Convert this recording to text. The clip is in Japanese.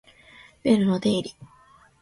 ベルの定理